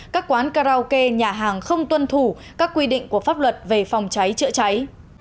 các quán karaoke nhà hàng không tuân thủ các quy định của pháp luật về phòng cháy chữa cháy